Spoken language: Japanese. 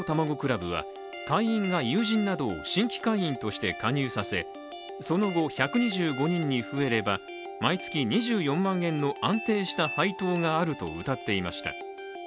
倶楽部は、会員が友人などを新規会員として加入させその後、１２５人に増えれば、毎月２４万円の安定した配当があるとうたっていました。